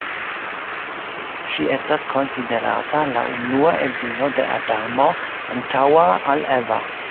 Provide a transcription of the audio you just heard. Ŝi estas konsiderata la unua edzino de Adamo, antaŭa al Eva.